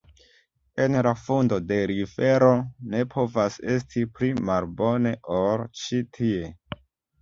En la fundo de l' infero ne povas esti pli malbone, ol ĉi tie.